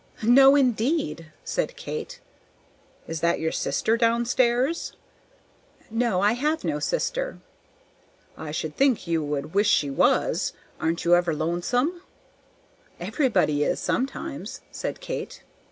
"No, indeed!" said Kate. "Is that your sister down stairs?" "No, I have no sister." "I should think you would wish she was. Aren't you ever lonesome?" "Everybody is, sometimes," said Kate.